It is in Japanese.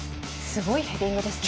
すごいヘディングですね。